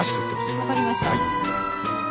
分かりました。